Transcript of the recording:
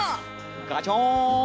ガチョーン。